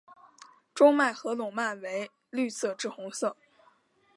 中脉和笼蔓为绿色至红色。